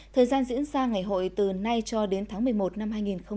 thời gian diễn ra ngày hội từ nay cho đến tháng một mươi một năm hai nghìn hai mươi